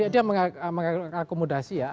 dia mengakomodasi ya